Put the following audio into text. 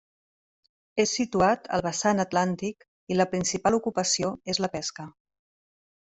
És situat al vessant atlàntic i la principal ocupació és la pesca.